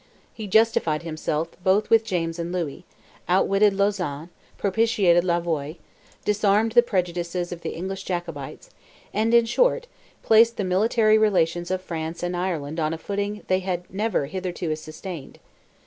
He justified himself both with James and Louis, outwitted Lauzan, propitiated Louvois, disarmed the prejudices of the English Jacobites, and, in short, placed the military relations of France and Ireland on a footing they had never hitherto sustained.